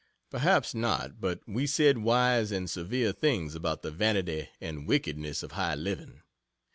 Perhaps not. But we said wise and severe things about the vanity and wickedness of high living.